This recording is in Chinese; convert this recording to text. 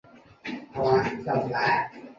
青藏黄耆为豆科黄芪属的植物。